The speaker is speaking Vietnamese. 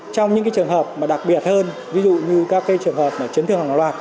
trong những trường hợp đặc biệt hơn ví dụ như các trường hợp chấn thương hàng loạt